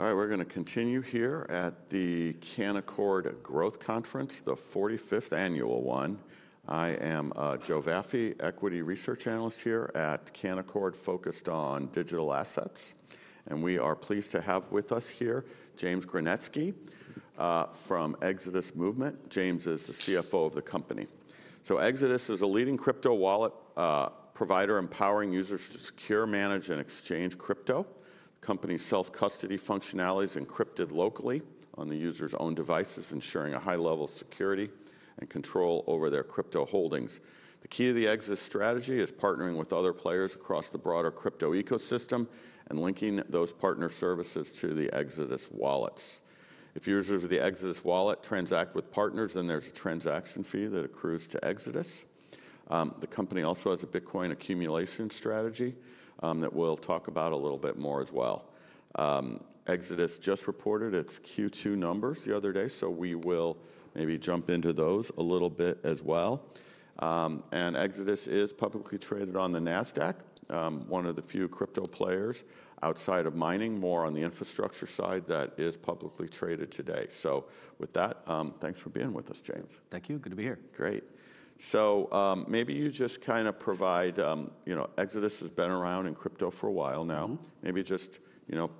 All right, we're going to continue here at the Canaccord Growth Conference, the 45th annual one. I am Joe Vafi, Equity Research Analyst here at Canaccord, focused on digital assets. We are pleased to have with us here James Gernetzke from Exodus Movement. James is the CFO of the company. Exodus is a leading crypto wallet provider empowering users to secure, manage, and exchange crypto. The company's self-custody functionality is encrypted locally on the user's own devices, ensuring a high level of security and control over their crypto holdings. The key to the Exodus strategy is partnering with other players across the broader crypto ecosystem and linking those partner services to the Exodus wallets. If users of the Exodus wallet transact with partners, then there's a transaction fee that accrues to Exodus. The company also has a Bitcoin accumulation strategy that we'll talk about a little bit more as well. Exodus just reported its Q2 numbers the other day, so we will maybe jump into those a little bit as well. Exodus is publicly traded on the NASDAQ, one of the few crypto players outside of mining, more on the infrastructure side that is publicly traded today. With that, thanks for being with us, James. Thank you. Good to be here. Great. Maybe you just kind of provide, you know, Exodus has been around in crypto for a while now. Maybe just, you know,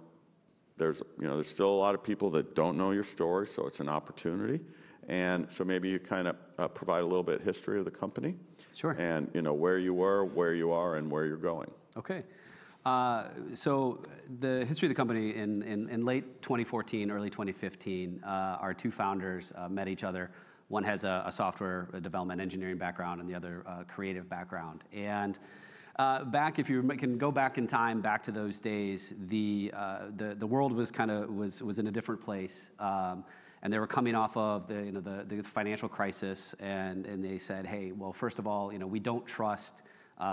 there's still a lot of people that don't know your story, so it's an opportunity. Maybe you kind of provide a little bit of history of the company. Sure. You know where you were, where you are, and where you're going. Okay. So the history of the company, in late 2014, early 2015, our two founders met each other. One has a software development engineering background and the other, a creative background. If you can go back in time, back to those days, the world was in a different place. They were coming off of the financial crisis, and they said, hey, first of all, you know, we don't trust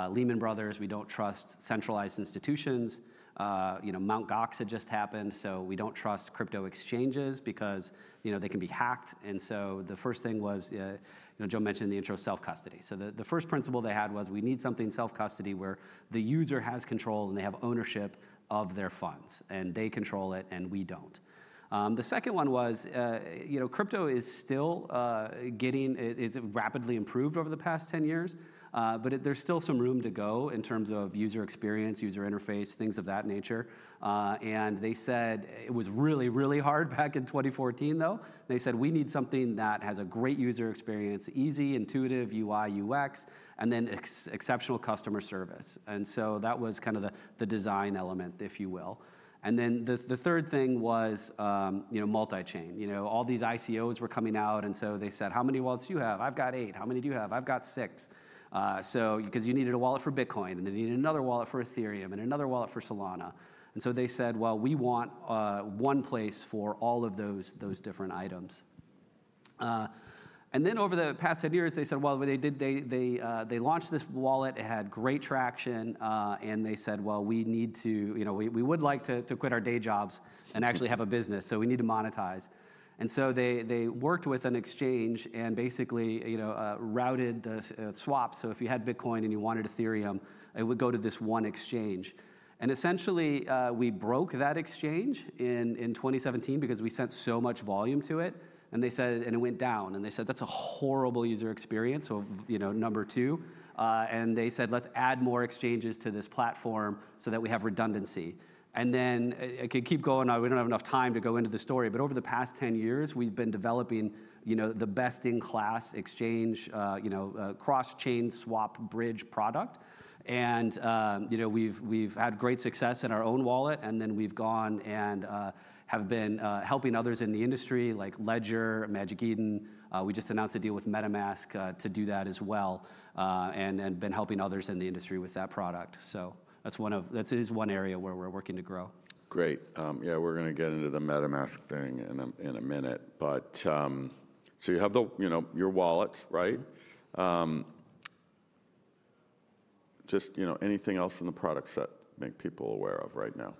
Lehman Brothers. We don't trust centralized institutions. You know, Mt. Gox had just happened, so we don't trust crypto exchanges because they can be hacked. The first thing was, you know, Joe mentioned in the intro, self-custody. The first principle they had was we need something self-custody where the user has control and they have ownership of their funds and they control it and we don't. The second one was, you know, crypto is still getting, it's rapidly improved over the past 10 years, but there's still some room to go in terms of user experience, user interface, things of that nature. They said it was really, really hard back in 2014, though. They said we need something that has a great user experience, easy, intuitive UI/UX, and then exceptional customer service. That was kind of the design element, if you will. The third thing was, you know, multi-chain. All these ICOs were coming out, and they said, how many wallets do you have? I've got eight. How many do you have? I've got six. You needed a wallet for Bitcoin and then you needed another wallet for Ethereum and another wallet for Solana. They said, we want one place for all of those different items. Over the past 10 years, they launched this wallet. It had great traction, and they said, we would like to quit our day jobs and actually have a business, so we need to monetize. They worked with an exchange and basically routed the swap. If you had Bitcoin and you wanted Ethereum, it would go to this one exchange. Essentially, we broke that exchange in 2017 because we sent so much volume to it, and it went down. They said that's a horrible user experience, so, number two. They said, let's add more exchanges to this platform so that we have redundancy, and then it could keep going. We don't have enough time to go into the story, but over the past 10 years, we've been developing the best-in-class exchange, cross-chain swap aggregator product. We've had great success in our own wallet, and we've been helping others in the industry like Ledger and Magic Eden. We just announced a deal with MetaMask to do that as well, and we've been helping others in the industry with that product. That is one area where we're working to grow. Great. Yeah, we're going to get into the MetaMask thing in a minute, but you have your wallets, right? Just, you know, anything else in the product set to make people aware of right now?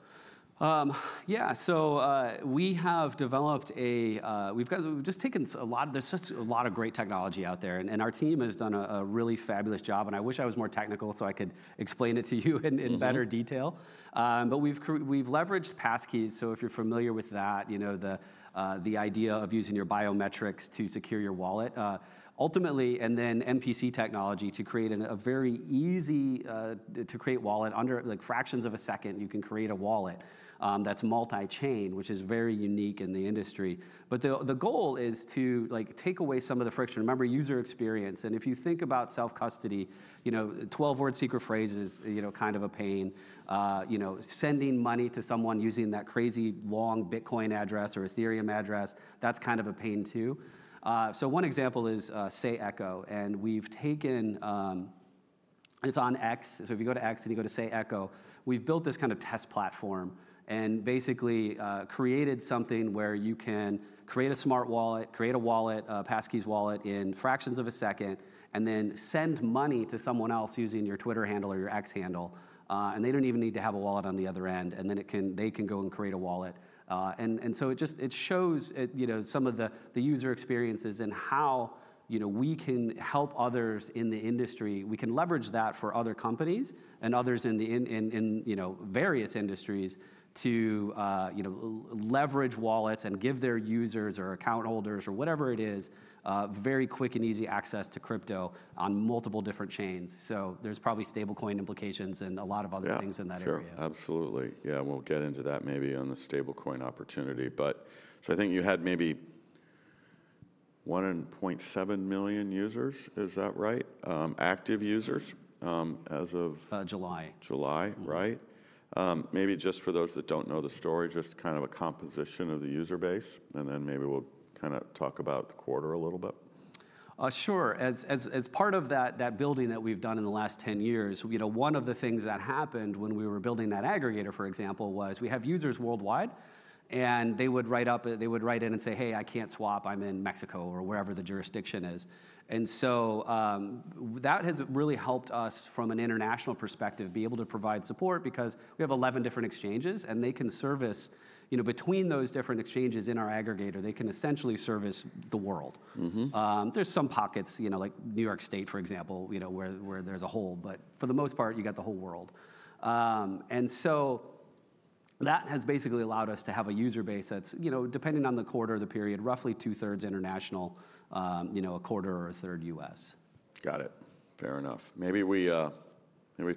Yeah, so we have developed a, we've got, we've just taken a lot of, there's just a lot of great technology out there. Our team has done a really fabulous job. I wish I was more technical so I could explain it to you in better detail. We've leveraged passkeys. If you're familiar with that, you know, the idea of using your biometrics to secure your wallet, ultimately, and then MPC technology to create a very easy, to create wallet under like fractions of a second. You can create a wallet that's multi-chain, which is very unique in the industry. The goal is to take away some of the friction. Remember user experience. If you think about self-custody, you know, 12-word secret phrases, you know, kind of a pain. You know, sending money to someone using that crazy long Bitcoin address or Ethereum address, that's kind of a pain too. One example is SayEcho. We've taken, it's on X. If you go to X and you go to SayEcho, we've built this kind of test platform and basically created something where you can create a smart wallet, create a wallet, a passkeys wallet in fractions of a second, and then send money to someone else using your Twitter handle or your X handle. They don't even need to have a wallet on the other end. They can go and create a wallet. It shows some of the user experiences and how we can help others in the industry. We can leverage that for other companies and others in various industries to leverage wallets and give their users or account holders or whatever it is, very quick and easy access to crypto on multiple different chains. There's probably stablecoin implications and a lot of other things in that area. Absolutely. Yeah. We'll get into that maybe on the stablecoin opportunity. I think you had maybe 1.7 million users, is that right? Active users, as of. July. July, right? Maybe just for those that don't know the story, just kind of a composition of the user base. Maybe we'll kind of talk about the quarter a little bit. Sure. As part of that building that we've done in the last 10 years, one of the things that happened when we were building that aggregator, for example, was we have users worldwide. They would write in and say, "Hey, I can't swap. I'm in Mexico or wherever the jurisdiction is." That has really helped us from an international perspective be able to provide support because we have 11 different exchanges and they can service, between those different exchanges in our aggregator, they can essentially service the world. There's some pockets, like New York State, for example, where there's a hole, but for the most part, you got the whole world. That has basically allowed us to have a user base that's, depending on the quarter, the period, roughly two-thirds international, a quarter or a third U.S. Got it. Fair enough. Maybe we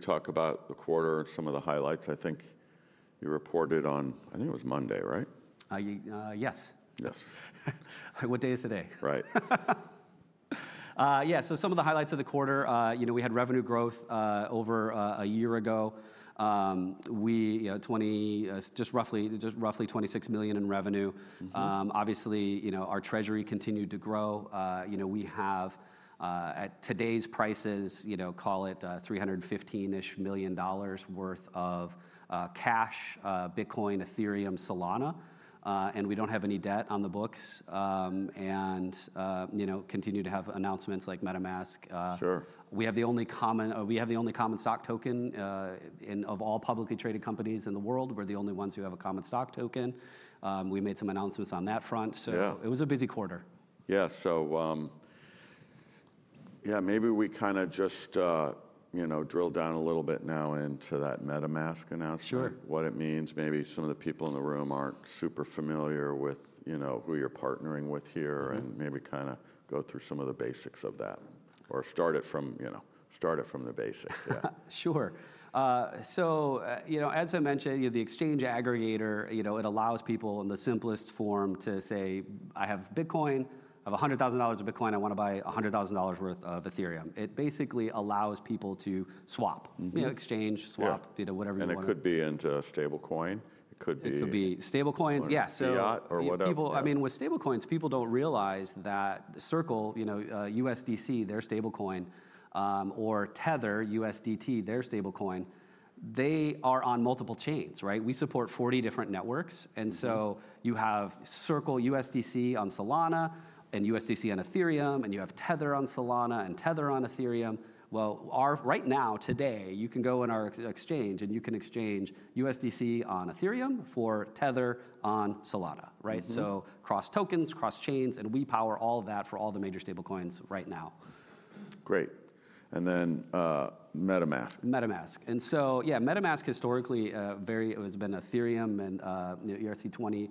talk about the quarter, some of the highlights. I think you reported on, I think it was Monday, right? Yes. Yes. What day is today? Right. Yeah, so some of the highlights of the quarter, we had revenue growth over a year ago. We, just roughly $26 million in revenue. Obviously, our treasury continued to grow. We have, at today's prices, call it $315 million worth of cash, Bitcoin, Ethereum, Solana. We don't have any debt on the books, and continue to have announcements like MetaMask. Sure. We have the only common stock token of all publicly traded companies in the world. We're the only ones who have a common stock token. We made some announcements on that front. It was a busy quarter. Yeah, maybe we kind of just, you know, drill down a little bit now into that MetaMask announcement. Sure. What it means. Maybe some of the people in the room aren't super familiar with, you know, who you're partnering with here and maybe kind of go through some of the basics of that or start it from the basics. Yeah. Sure. As I mentioned, the exchange aggregator allows people, in the simplest form, to say, I have Bitcoin, I have $100,000 of Bitcoin, I want to buy $100,000 worth of Ethereum. It basically allows people to swap, exchange, swap, whatever you want to. It could be into a stablecoin. It could be stablecoins. Yeah. With stablecoins, people don't realize that Circle, you know, USDC, their stablecoin, or Tether USDT, their stablecoin, they are on multiple chains, right? We support 40 different networks. You have Circle USDC on Solana and USDC on Ethereum, and you have Tether on Solana and Tether on Ethereum. Right now, today, you can go in our exchange and you can exchange USDC on Ethereum for Tether on Solana, right? Cross tokens, cross chains, and we power all of that for all the major stablecoins right now. Great. MetaMask. MetaMask. MetaMask historically has been Ethereum and, you know, ERC20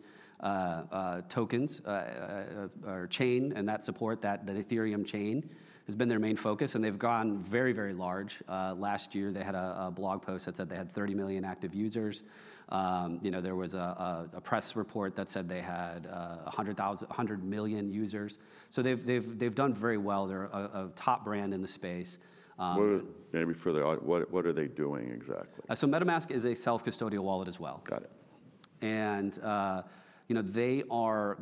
tokens or chain, and that support, that Ethereum chain has been their main focus. They've gone very, very large. Last year, they had a blog post that said they had 30 million active users. You know, there was a press report that said they had 100 million users. They've done very well. They're a top brand in the space. What are they doing exactly? MetaMask is a self-custodial wallet as well. Got it. They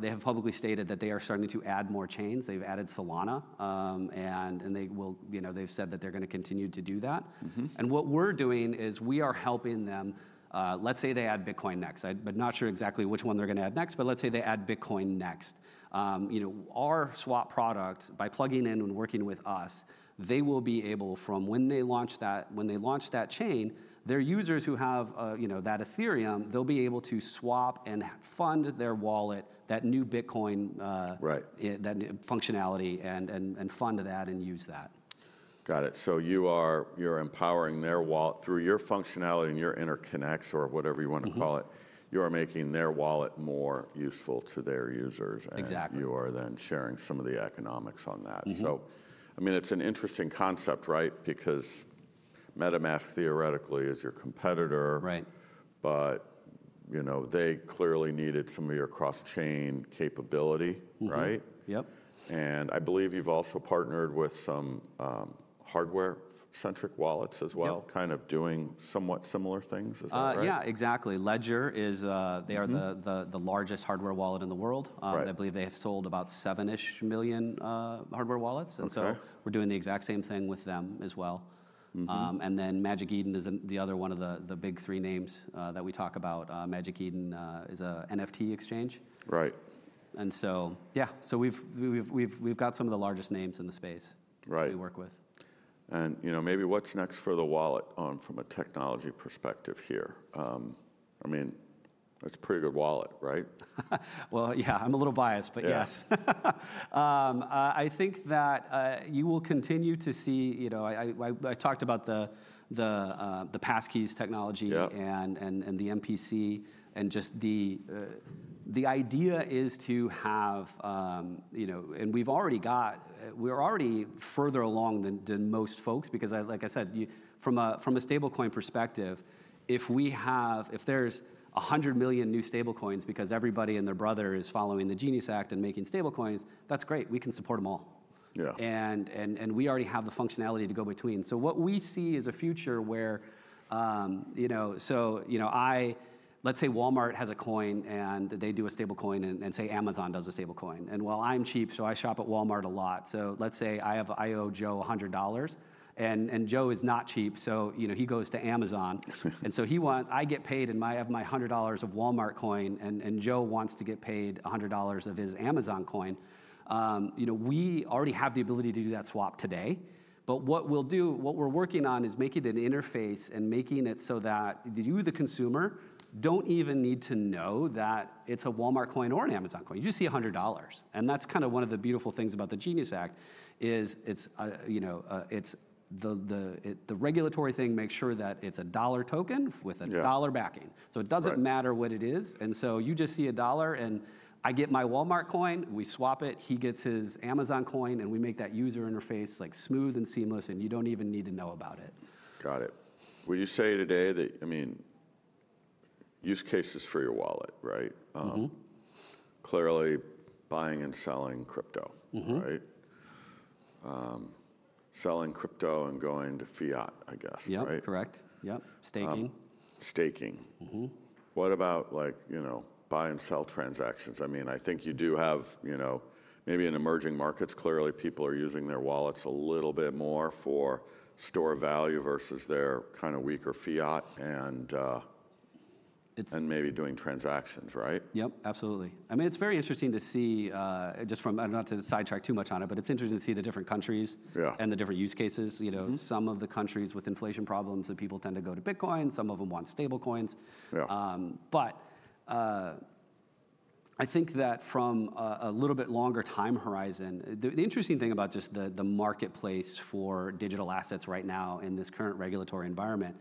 have publicly stated that they are starting to add more chains. They've added Solana, and they will, you know, they've said that they're going to continue to do that. What we're doing is we are helping them. Let's say they add Bitcoin next. I'm not sure exactly which one they're going to add next, but let's say they add Bitcoin next. Our swap product, by plugging in and working with us, they will be able, from when they launch that chain, their users who have that Ethereum, they'll be able to swap and fund their wallet, that new Bitcoin, that functionality, and fund that and use that. You are empowering their wallet through your functionality and your interconnects or whatever you want to call it. You are making their wallet more useful to their users. Exactly. You are then sharing some of the economics on that. It's an interesting concept, right? Because MetaMask theoretically is your competitor. Right. You know, they clearly needed some of your cross-chain capability, right? Yep. I believe you've also partnered with some hardware-centric wallets as well, kind of doing somewhat similar things. Is that right? Yeah, exactly. Ledger is the largest hardware wallet in the world. I believe they have sold about $7 million hardware wallets. We're doing the exact same thing with them as well. Magic Eden is the other one of the big three names that we talk about. Magic Eden is an NFT exchange. Right. Yeah, we've got some of the largest names in the space. Right. We work with. Maybe what's next for the wallet, from a technology perspective here? I mean, it's a pretty good wallet, right? I'm a little biased, but yes. I think that you will continue to see, you know, I talked about the passkeys technology and the MPC and just the idea is to have, you know, and we've already got, we're already further along than most folks because, like I said, from a stablecoin perspective, if we have, if there's $100 million new stablecoins because everybody and their brother is following the Genius Act and making stablecoins, that's great. We can support them all. Yeah. We already have the functionality to go between. What we see is a future where, you know, let's say Walmart has a coin and they do a stablecoin and say Amazon does a stablecoin. While I'm cheap, I shop at Walmart a lot. Let's say I owe Joe $100 and Joe is not cheap, so he goes to Amazon. He wants, I get paid and I have my $100 of Walmart coin and Joe wants to get paid $100 of his Amazon coin. We already have the ability to do that swap today. What we're working on is making it an interface and making it so that you, the consumer, don't even need to know that it's a Walmart coin or an Amazon coin. You just see $100. That's kind of one of the beautiful things about the Genius Act. The regulatory thing makes sure that it's a dollar token with a dollar backing, so it doesn't matter what it is. You just see a dollar and I get my Walmart coin, we swap it, he gets his Amazon coin, and we make that user interface smooth and seamless and you don't even need to know about it. Got it. You say today that, I mean, use cases for your wallet, right? Clearly buying and selling crypto, right? Selling crypto and going to fiat, I guess, right? Yep, correct. Yep, staking. Staking. Mm-hmm. What about, like, you know, buy and sell transactions? I mean, I think you do have, you know, maybe in emerging markets, clearly people are using their wallets a little bit more for store value versus their kind of weaker fiat, and maybe doing transactions, right? Yep, absolutely. I mean, it's very interesting to see, just from, I don't know, to sidetrack too much on it, but it's interesting to see the different countries and the different use cases. Some of the countries with inflation problems, people tend to go to Bitcoin, some of them want stablecoins. Yeah. I think that from a little bit longer time horizon, the interesting thing about just the marketplace for digital assets right now in this current regulatory environment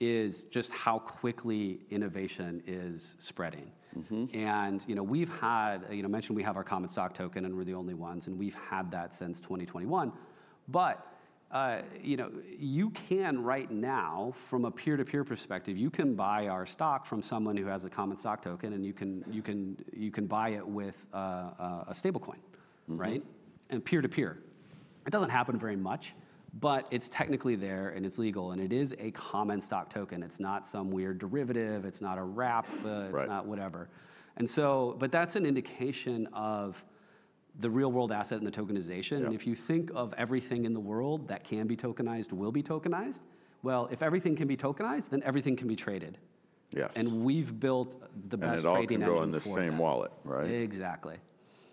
is just how quickly innovation is spreading. Mm-hmm. We've had, you know, mentioned we have our common stock token and we're the only ones and we've had that since 2021. You can right now, from a peer-to-peer perspective, buy our stock from someone who has a common stock token and you can buy it with a stablecoin, right? Peer-to-peer, it doesn't happen very much, but it's technically there and it's legal and it is a common stock token. It's not some weird derivative. It's not a wrap. Right. That's an indication of the real-world asset and the tokenization. If you think of everything in the world that can be tokenized, it will be tokenized. If everything can be tokenized, then everything can be traded. Yeah. We've built the best trading equity. It all happens in the same wallet, right? Exactly.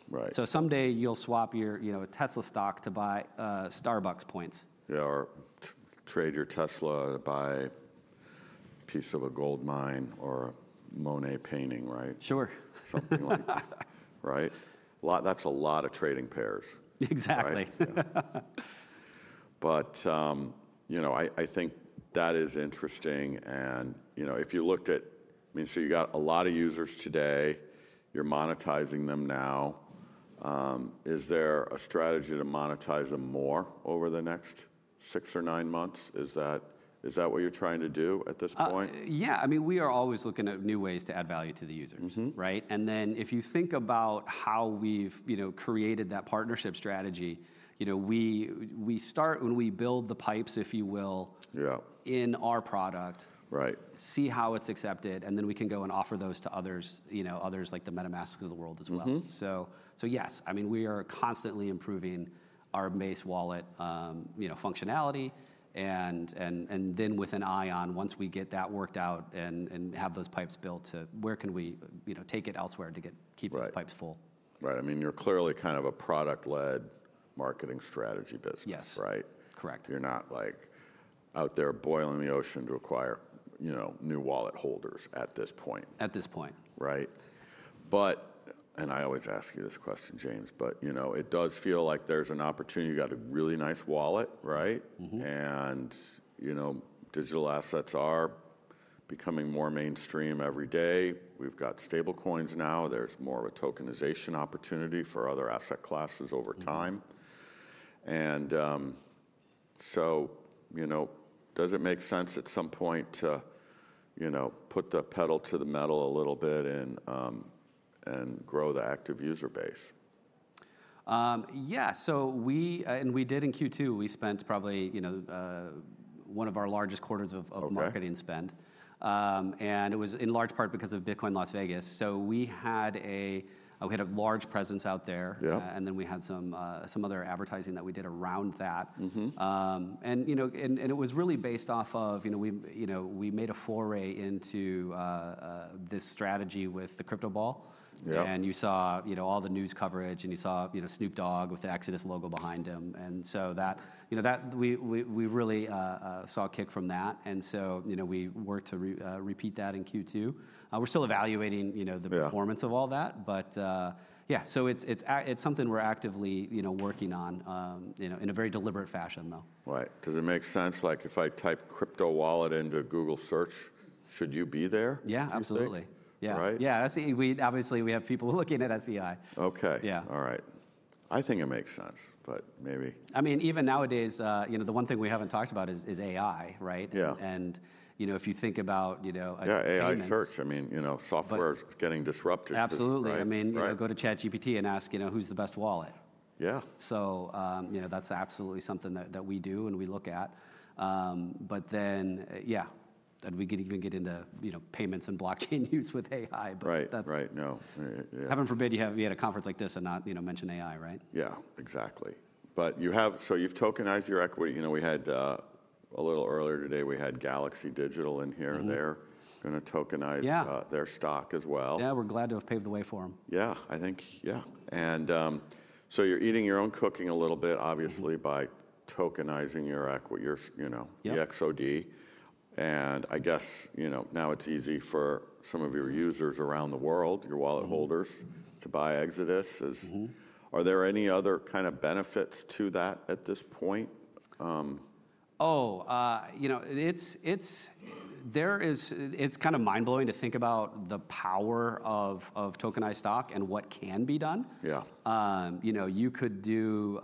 Right. Someday you'll swap your, you know, a Tesla stock to buy a Starbucks points. Yeah, or trade your Tesla to buy a piece of a gold mine or Monet painting, right? Sure. Something like that, right? That's a lot of trading pairs. Exactly. I think that is interesting. If you looked at, I mean, so you got a lot of users today, you're monetizing them now. Is there a strategy to monetize them more over the next six or nine months? Is that what you're trying to do at this point? Yeah, I mean, we are always looking at new ways to add value to the users, right? If you think about how we've created that partnership strategy, we start when we build the pipes, if you will. Yeah. In our product. Right. See how it's accepted. We can go and offer those to others, you know, others like the MetaMask of the world as well. Mm-hmm. Yes, I mean, we are constantly improving our base wallet functionality, and then with an eye on once we get that worked out and have those pipes built to where we can take it elsewhere to keep those pipes full. Right. I mean, you're clearly kind of a product-led marketing strategy business, right? Correct. You're not out there boiling the ocean to acquire new wallet holders at this point. At this point. Right. I always ask you this question, James, but you know, it does feel like there's an opportunity. You got a really nice wallet, right? Mm-hmm. Digital assets are becoming more mainstream every day. We've got stablecoins now. There's more of a tokenization opportunity for other asset classes over time. Does it make sense at some point to put the pedal to the metal a little bit and grow the active user base? Yeah, so we did in Q2, we spent probably, you know, one of our largest quarters of marketing spend. It was in large part because of Bitcoin Las Vegas. We had a large presence out there. Yeah. We had some other advertising that we did around that. Mm-hmm. It was really based off of, you know, we made a foray into this strategy with the crypto ball. Yeah. You saw all the news coverage and you saw Snoop Dogg with the Exodus logo behind him. We really saw a kick from that. We worked to repeat that in Q2. We're still evaluating the performance of all that, but it's something we're actively working on in a very deliberate fashion. Right. Because it makes sense. Like if I type crypto wallet into a Google search, should you be there? Yeah, absolutely. Yeah. Right. Yeah, that's the, we obviously have people looking at SEI. Okay. Yeah. All right. I think it makes sense. I mean, even nowadays, the one thing we haven't talked about is AI, right? Yeah. If you think about, you know. Yeah, AI search. I mean, software is getting disrupted. Absolutely. I mean, you know, go to ChatGPT and ask, you know, who's the best wallet? Yeah. That's absolutely something that we do and we look at. We could even get into payments and blockchain use with AI, but that's. Right. No, yeah. Heaven forbid you haven't been at a conference like this and not, you know, mention AI, right? Yeah, exactly. You have, so you've tokenized your equity. You know, earlier today, we had Galaxy Digital in here and they're going to tokenize their stock as well. Yeah, we're glad to have paved the way for them. I think, yeah. You're eating your own cooking a little bit, obviously, by tokenizing your equity, you know, the EXOD. I guess, you know, now it's easy for some of your users around the world, your wallet holders, to buy Exodus. Mm-hmm. Are there any other kind of benefits to that at this point? It's kind of mind-blowing to think about the power of tokenized stock and what can be done. Yeah. You could do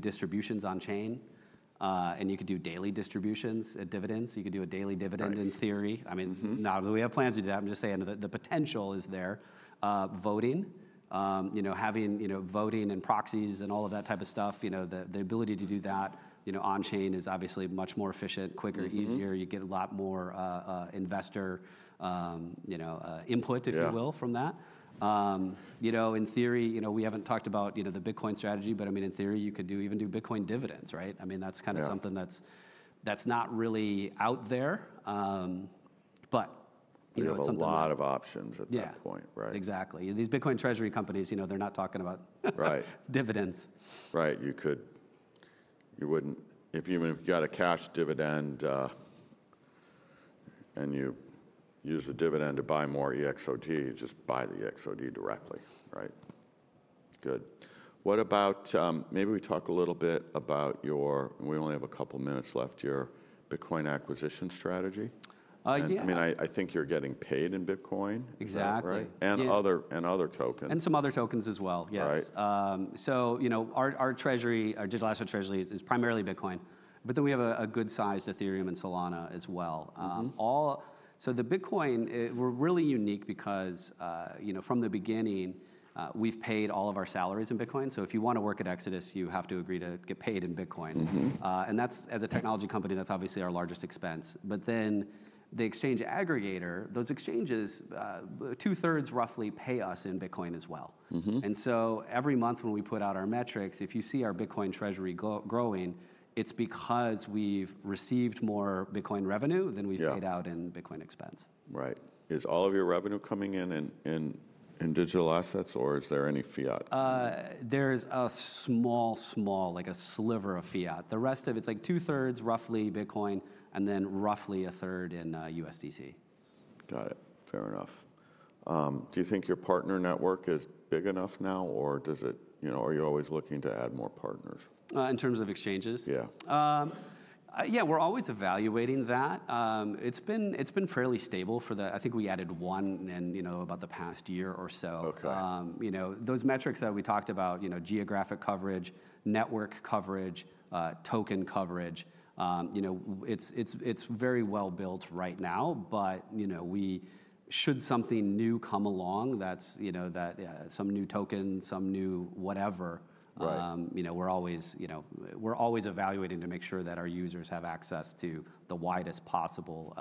distributions on chain, and you could do daily distributions at dividends. You could do a daily dividend in theory. I mean, not that we have plans to do that. I'm just saying that the potential is there. Voting, having voting and proxies and all of that type of stuff, the ability to do that on chain is obviously much more efficient, quicker, easier. You get a lot more investor input, if you will, from that. In theory, we haven't talked about the Bitcoin strategy, but I mean, in theory, you could even do Bitcoin dividends, right? I mean, that's kind of something that's not really out there. It's something. A lot of options at that point, right? Yeah, exactly. These Bitcoin treasury companies, you know, they're not talking about. Right. Dividends. Right. You could, you wouldn't, if you even got a cash dividend and you use the dividend to buy more EXOD, you just buy the EXOD directly, right? Good. What about, maybe we talk a little bit about your, we only have a couple of minutes left, your Bitcoin acquisition strategy. Yeah. I think you're getting paid in Bitcoin. Exactly. Other tokens? Some other tokens as well. Yes. Right. Our treasury, our digital asset treasury is primarily Bitcoin, but then we have a good sized Ethereum and Solana as well. The Bitcoin, we're really unique because from the beginning, we've paid all of our salaries in Bitcoin. If you want to work at Exodus, you have to agree to get paid in Bitcoin. Mm-hmm. As a technology company, that's obviously our largest expense. The exchange aggregator, those exchanges, two-thirds roughly pay us in Bitcoin as well. Mm-hmm. Every month when we put out our metrics, if you see our Bitcoin treasury growing, it's because we've received more Bitcoin revenue than we've paid out in Bitcoin expense. Right. Is all of your revenue coming in digital assets or is there any fiat? There's a small, small, like a sliver of fiat. The rest of it's like two-thirds roughly Bitcoin and then roughly a third in USDC. Got it. Fair enough. Do you think your partner network is big enough now, or are you always looking to add more partners? In terms of exchanges? Yeah. Yeah, we're always evaluating that. It's been fairly stable for the, I think we added one in about the past year or so. Okay. Those metrics that we talked about, geographic coverage, network coverage, token coverage, it's very well built right now. Should something new come along, some new tokens, some new whatever, we're always evaluating to make sure that our users have access to the widest possible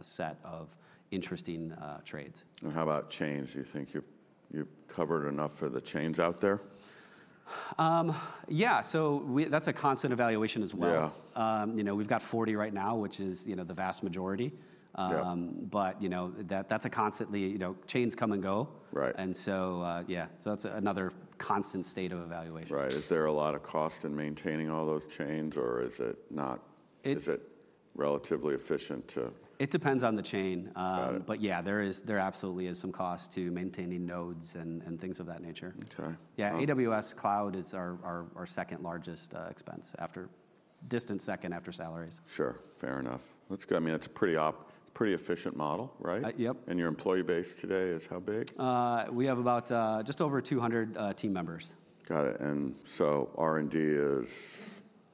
set of interesting trades. How about chains? Do you think you're covered enough for the chains out there? Yeah, that's a constant evaluation as well. Yeah. You know, we've got 40 right now, which is, you know, the vast majority. Yeah. That's a constantly, you know, chains come and go. Right. Yeah, that's another constant state of evaluation. Right. Is there a lot of cost in maintaining all those chains, or is it not? Is it relatively efficient to? It depends on the chain. Got it. There absolutely is some cost to maintaining nodes and things of that nature. Okay. Yeah, AWS cloud is our second largest expense after salaries. Sure. Fair enough. That's good. I mean, it's a pretty efficient model, right? Yep. Your employee base today is how big? We have just over 200 team members. Got it. R&D is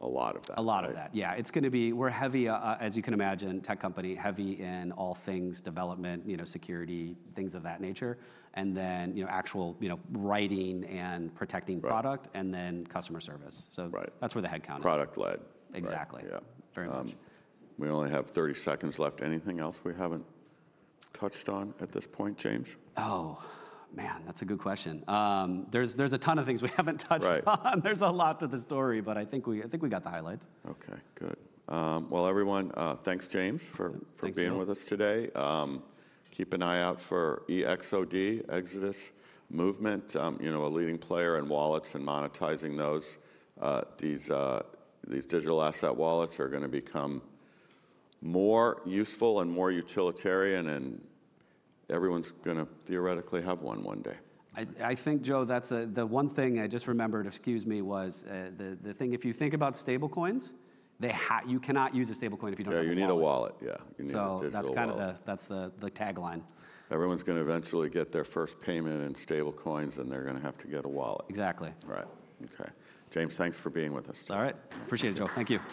a lot of that. A lot of that. Yeah. It's going to be, we're heavy, as you can imagine, tech company, heavy in all things development, security, things of that nature. You know, actual writing and protecting product and then customer service. Right. That is where the headcount is. Product-led. Exactly. Yeah. Very much. We only have 30 seconds left. Anything else we haven't touched on at this point, James? Oh man, that's a good question. There's a ton of things we haven't touched. Right. There's a lot to the story, but I think we got the highlights. Okay, good. Everyone, thanks James for being with us today. Keep an eye out for EXOD, Exodus Movement, you know, a leading player in wallets and monetizing those. These digital asset wallets are going to become more useful and more utilitarian, and everyone's going to theoretically have one one day. I think, Joe, that's the one thing I just remembered, excuse me, was the thing. If you think about stablecoins, you cannot use a stablecoin if you don't have one. Yeah, you need a wallet. Yeah. That's kind of the, that's the tagline. Everyone's going to eventually get their first payment in stablecoins, and they're going to have to get a wallet. Exactly. Right. Okay. James, thanks for being with us. All right. Appreciate it, Joe. Thank you.